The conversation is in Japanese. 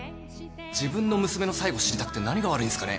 自分の娘の最期知りたくて何が悪いんすかね。